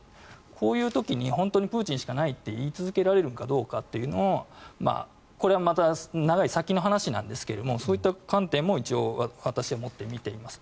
こういう時に本当にプーチンしかないと言い続けられるかどうかというのをこれはまた長い先の話なんですがそういった観点も一応私は持って見ています。